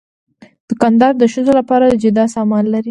دوکاندار د ښځو لپاره جدا سامان لري.